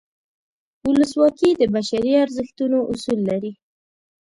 ولسواکي د بشري ارزښتونو اصول لري.